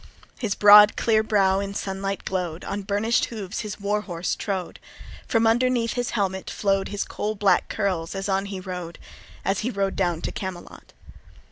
His broad clear brow in sunlight glow'd; On burnish'd hooves his war horse trode; From underneath his helmet flow'd His coal black curls as on he rode, As he rode down to Camelot.